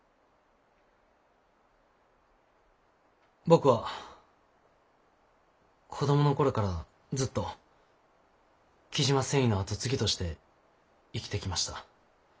僕は子供の頃からずっと雉真繊維の後継ぎとして生きてきました。